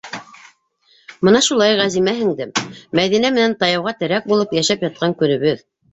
Мына шулай, Ғәзимә һеңдем, Мәҙинә менән таяуға терәк булып йәшәп ятҡан көнөбөҙ...